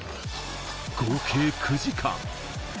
合計９時間。